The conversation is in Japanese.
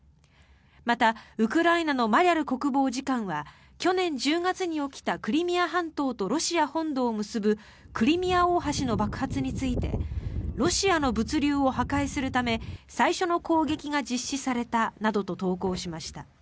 また、ウクライナのマリャル国防次官は去年１０月に起きたクリミア半島とロシア本土を結ぶクリミア大橋の爆発についてロシアの物流を破壊するため最初の攻撃が実施されたなどと投稿しました。